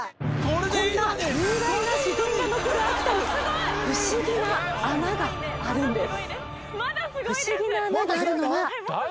こんな雄大な自然が残る秋田に不思議な穴があるんです。